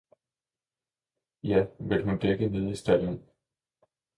Ja, vil hun dække nede i stalden!